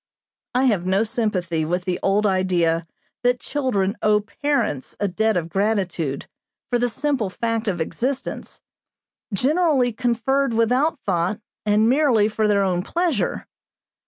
I have no sympathy with the old idea that children owe parents a debt of gratitude for the simple fact of existence, generally conferred without thought and merely for their own pleasure.